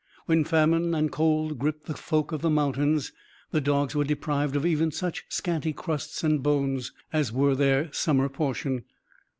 When famine and cold gripped the folk of the mountains, the dogs were deprived of even such scanty crusts and bones as were their summer portion.